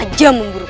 dia saja menggurung